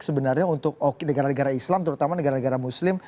sebenarnya untuk negara negara islam terutama negara negara muslim